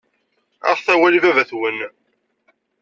Aɣet awal i baba-twen.